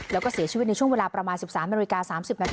แล้วก็เสียชีวิตในช่วงเวลาประมาณ๑๓น๓๐น